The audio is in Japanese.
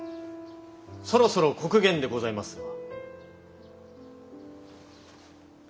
そろそろ刻限でございますが。